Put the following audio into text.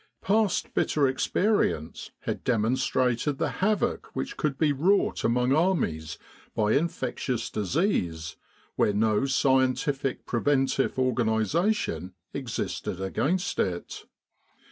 Past bitter experience had demonstrated the havoc which could be wrought among armies by infectious disease where no scientific preventive organisation existed against it.